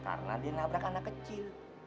karena dia nabrak anak kecil